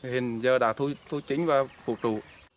hiện giờ đã thu chính và phục trụ